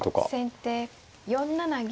先手４七銀。